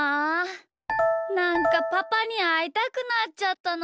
なんかパパにあいたくなっちゃったな。